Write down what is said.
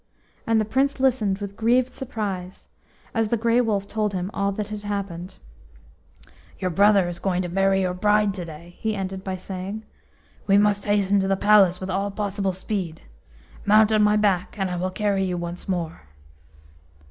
And the Prince listened with grieved surprise as the Grey Wolf told him all that had happened. "Your brother is going to marry your bride to day," he ended by saying. "We must hasten to the palace with all possible speed. Mount on my back, and I will carry you once more."